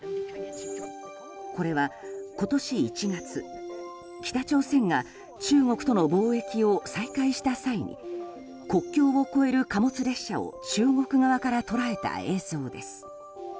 これは今年１月北朝鮮が中国との貿易を再開した際に国境を越える貨物列車を中国側から捉えた映像です。